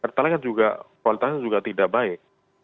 pertalite kan juga kualitasnya juga tidak baik